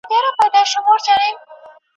او چي هر څونه زړېږم منندوی مي د خپل ژوند یم